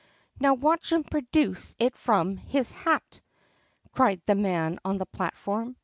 "Now wah chim projuce it frum his hat!" cried the man on the platform.